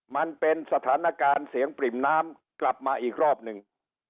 มันเป็นสถานการณ์เสียงปริ่มน้ำกลับมาอีกรอบหนึ่ง